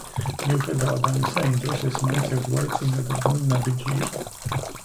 მიუხედავად ამისა, იმ დროს ეს მაინც ერთგვარი წინგადადგმული ნაბიჯი იყო.